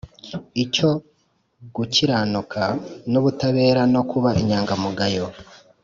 icyo gukiranuka nubutabera no kuba inyangamugayo